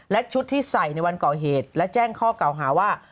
และชุดที่ใส่ในวันก่อเหตุและแจ้งข้อเก่าหาว่า